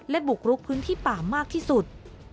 และบุกรุกพื้นที่ป่ามากที่สุด